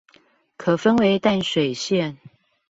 可分為淡水線